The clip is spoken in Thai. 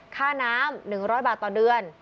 ค่าน้ำ๑๐๐บาทต่อเดือน